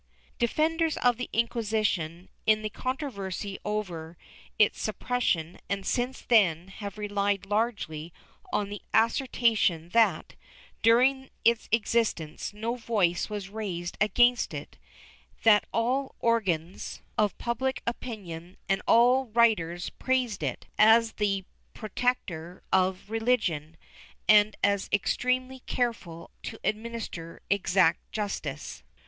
Defenders of the Inquisition, in the controversy over its sup pression and since then, have relied largely on the assertion that, during its existence, no voice was raised against it, that all organs 514 BETBOSPECT [Book IX of public opinion and all writers praised it, as the protector of religion, and as extremely careful to administer exact justice.